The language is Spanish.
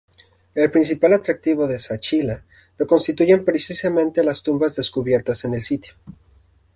El principal atractivo de Zaachila lo constituyen precisamente las tumbas descubiertas en el sitio.